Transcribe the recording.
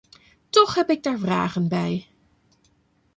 Toch heb ik daar vragen bij.